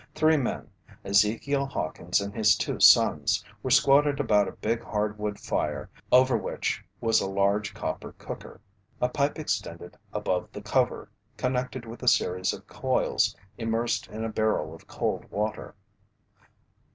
Three men, Ezekiel Hawkins and his two sons, were squatted about a big hardwood fire over which was a large copper cooker. A pipe extended above the cover, connected with a series of coils immersed in a barrel of cold water.